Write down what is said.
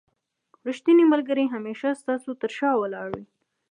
رښتينی ملګري هميشه ستا تر شا ولاړ وي.